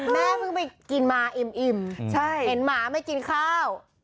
แม่เพิ่งไปกินมาอิ่มเห็นหมาไม่กินข้าว